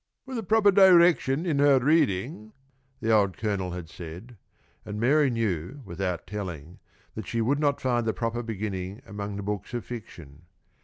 "With the proper direction in her reading," the old Colonel had said, and Mary knew without telling that she would not find the proper beginning among the books of fiction.